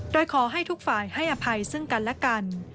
โดยขอให้ทุกฝ่ายให้อภัยซึ่งกันและกัน